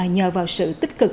nhờ vào sự tích cực